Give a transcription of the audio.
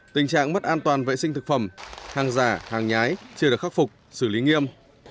tình trạng mất an toàn vệ sinh thực phẩm hàng giả hàng nhái chưa được khắc phục xử lý nghiêm